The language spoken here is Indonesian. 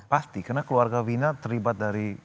pasti karena keluarga vina terlibat dari